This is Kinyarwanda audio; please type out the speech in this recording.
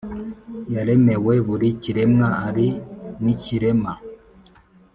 Yaremewe buri kiremwa ari n'ikirema